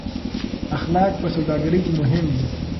اخلاق په سوداګرۍ کې مهم دي.